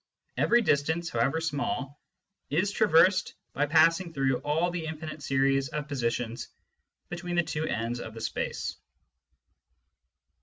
Every distance, however small, is traversed by passing through all the infinite series of positions between the two ends of the distance.